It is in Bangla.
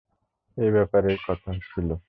এই ব্যাপারেই কথা ছিলো।